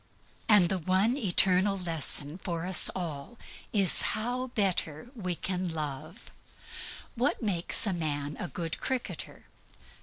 And THE ONE ETERNAL LESSON for us all is how better we can love. What makes a man a good cricketer?